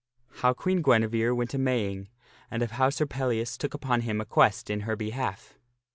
How Queen Guinevere Went a Maying and of How Sir Pellias Took Upon Him a Quest in Her Behalf.